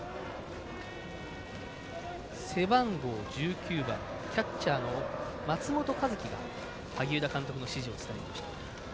背番号１９番、キャッチャーの松本和樹が萩生田監督の指示を伝えました。